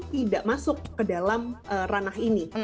tidak masuk ke dalam ranah ini